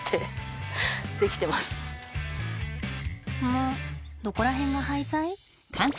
むっどこら辺が廃材？